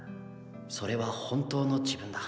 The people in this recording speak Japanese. それは本当の自分だ。